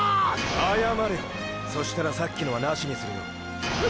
謝れよそしたらさっきのはナシにするよ。わ